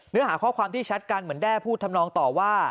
หาข้อความที่แชทกันเหมือนแด้พูดทำนองต่อว่า